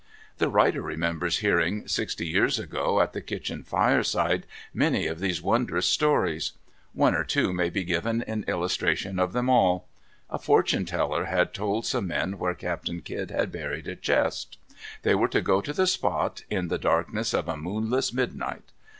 The writer remembers hearing, sixty years ago at the kitchen fireside, many of these wondrous stories. One or two may be given in illustration of them all. A fortune teller had told some men where Captain Kidd had buried a chest. They were to go to the spot, in the darkness of a moonless midnight.